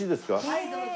はいどうぞ。